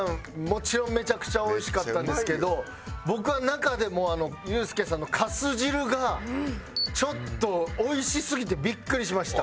もちろんめちゃくちゃおいしかったんですけど僕は中でもユースケさんの粕汁がちょっとおいしすぎてビックリしました。